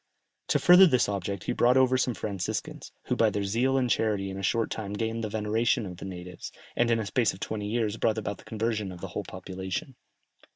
To further this object he brought over some Franciscans, who by their zeal and charity in a short time gained the veneration of the natives, and in a space of twenty years brought about the conversion of the whole population.